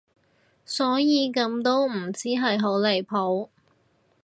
所以咁都唔知係好離譜